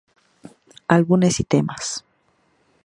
Álbumes y temas.